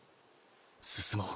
進もう。